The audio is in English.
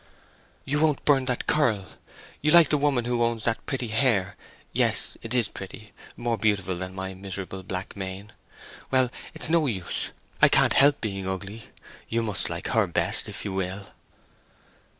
"You won't burn that curl. You like the woman who owns that pretty hair—yes; it is pretty—more beautiful than my miserable black mane! Well, it is no use; I can't help being ugly. You must like her best, if you will!"